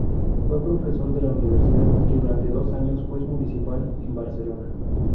Fue profesor de la universidad y, durante dos años, juez municipal en Barcelona.